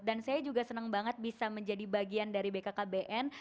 dan saya juga senang banget bisa menjadi bagian dari bkkbn